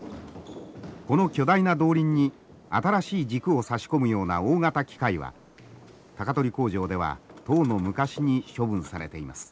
この巨大な動輪に新しい軸を差し込むような大型機械は鷹取工場ではとうの昔に処分されています。